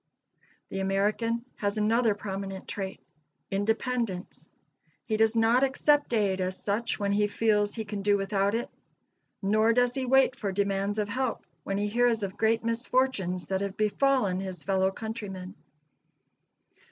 The American has another prominent trait independence. He does not accept aid, as such, when he feels he can do without it: nor does he wait for demands of help, when he hears of great misfortunes that have befallen his fellow countrymen.